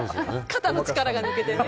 肩の力が抜けてね。